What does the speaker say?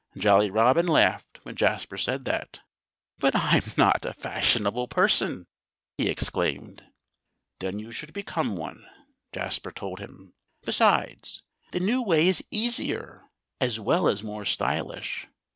Jolly Robin laughed when Jasper said that. "But I'm not a fashionable person!" he exclaimed. "Then you should become one," Jasper told him. "Besides, the new way is easier, as well as more stylish.